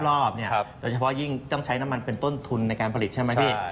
รอบเนี่ยโดยเฉพาะยิ่งต้องใช้น้ำมันเป็นต้นทุนในการผลิตใช่ไหมพี่